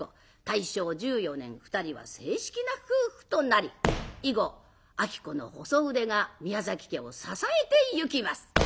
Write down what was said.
大正１４年２人は正式な夫婦となり以後子の細腕が宮崎家を支えてゆきます。